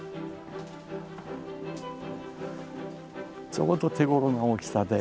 ちょうど手ごろな大きさで。